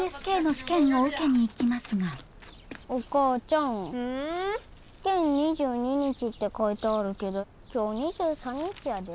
試験２２日って書いてあるけど今日２３日やで。